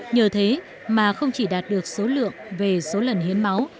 nhờ thế mà không chỉ đạt được số lượng về số lần hiến máu